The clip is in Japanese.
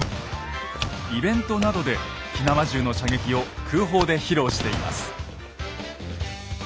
イベントなどで火縄銃の射撃を空砲で披露しています。